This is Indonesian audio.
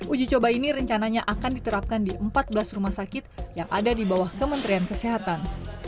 uji coba ini rencananya akan diterapkan di empat belas rumah sakit yang ada di bawah kementerian kesehatan